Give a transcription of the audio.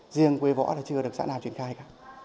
riêng quế võ là chưa được xã nào triển khai cả